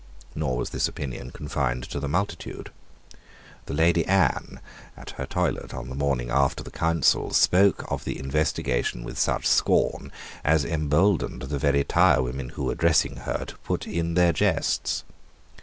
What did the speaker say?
Nor was this opinion confined to the multitude. The Lady Anne, at her toilette, on the morning after the Council, spoke of the investigation with such scorn as emboldened the very tirewomen who were dressing her to put in their jests.